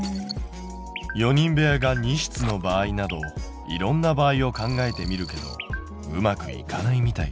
４人部屋が２室の場合などいろんな場合を考えてみるけどうまくいかないみたい。